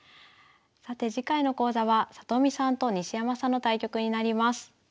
さて次回の講座は里見さんと西山さんの対局になります。